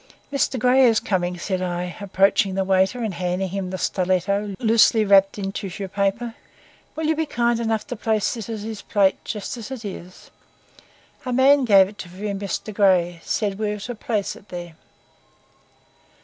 "Mr. Grey is coming," said I, approaching the waiter and handing him the stiletto loosely wrapped in tissue paper. "Will you be kind enough to place this at his plate, just as it is? A man gave it to me for Mr. Grey; said we were to place it there."